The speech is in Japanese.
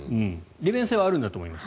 利便性はあるんだと思います。